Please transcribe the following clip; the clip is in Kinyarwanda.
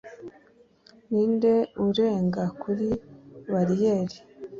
Ninde urenga kuri bariyeri